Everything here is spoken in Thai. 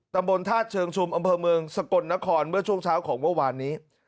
ตำบลธาตุเชิงชุมอำเภอเมืองสกลนครเมื่อช่วงเช้าของเมื่อวานนี้